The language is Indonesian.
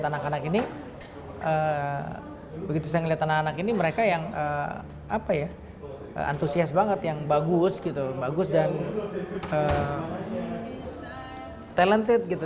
terus yang kedua begitu saya melihat anak anak ini mereka yang entusiasma banget yang bagus dan talented